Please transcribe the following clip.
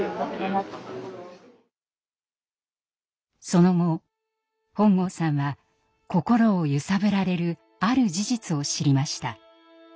その後本郷さんは心を揺さぶられるある事実を知りました。